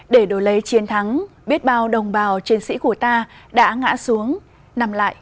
để đối lấy chiến thắng biết bao đồng bào chiến sĩ của ta đã ngã xuống nằm lại